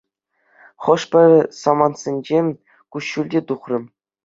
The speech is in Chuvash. Хӑш-пӗр самантсенче куҫҫуль те тухрӗ.